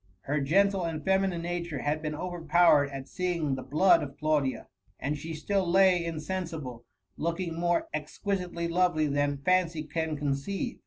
Her gentle and feminine nature had been overpowered at seeing the blood of Claudia, and she still lay Insensible, looking more exquisitely lovely than fancy can conceive.